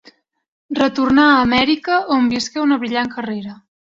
Retornà a Amèrica on visqué una brillant carrera.